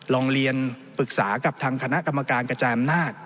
ลองเรียนปรึกษากับทางคณะกรรมการกระจายอำนาจ